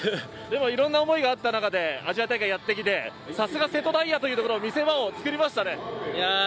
いろんな思いがあった中で、アジア大会やってきて、さすが瀬戸大也という見せ場を作りましたね。